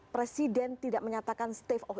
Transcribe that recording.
presiden tidak menyatakan state of